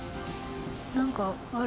何かある。